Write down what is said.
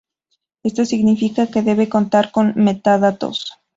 Esto significa que deben contar con metadatos.